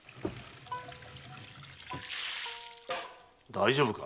大丈夫か？